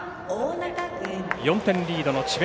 ４点リードの智弁